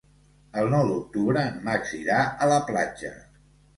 El nou d'octubre en Max irà a la platja.